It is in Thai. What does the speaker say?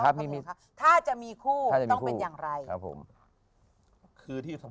ถ้าจะมีคู่ต้องเป็นอย่างไร